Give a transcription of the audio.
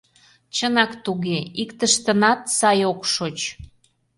Чынак туге, иктыштынат сай ок шоч.